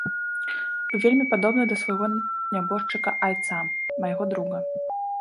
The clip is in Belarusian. Вы вельмі падобны да свайго нябожчыка айца, майго друга.